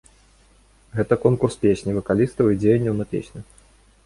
Гэта конкурс песні, вакалістаў і дзеянняў на песню.